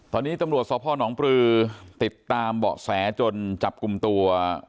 ตอนนี้ตำรวจสพนปลือติดตามเบาะแสจนจับกลุ่มตัว